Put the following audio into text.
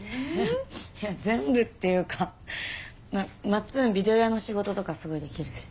いや全部っていうかまっつんビデオ屋の仕事とかすごいできるし。